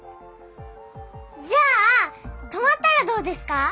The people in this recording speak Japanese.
じゃあ泊まったらどうですか？